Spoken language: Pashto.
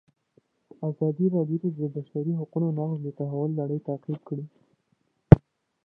ازادي راډیو د د بشري حقونو نقض د تحول لړۍ تعقیب کړې.